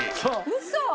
ウソ！？